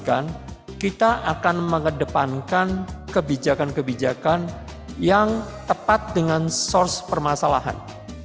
dan akan mengedepankan kebijakan kebijakan yang tepat dengan source permasalahan